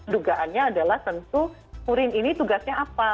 dugaannya adalah tentu urin ini tugasnya apa